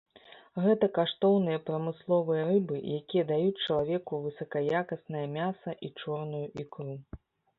Гэта каштоўныя прамысловыя рыбы, якія даюць чалавеку высакаякаснае мяса і чорную ікру.